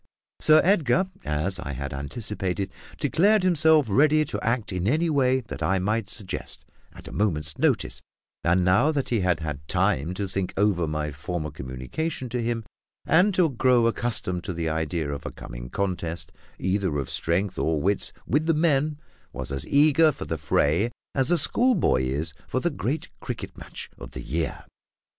Sir Edgar, as I had anticipated, declared himself ready to act in any way that I might suggest, at a moment's notice; and, now that he had had time to think over my former communication to him, and to grow accustomed to the idea of a coming contest, either of strength or wits, with the men, was as eager for the fray as a schoolboy is for the great cricket match of the year.